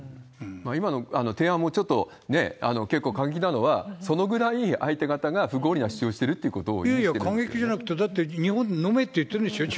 今の提案も、ちょっと結構過激なのは、それぐらい相手方が不合理な主張をしているということを表していいやいや、過激じゃなくて、だって日本飲めって言ってるんですよ。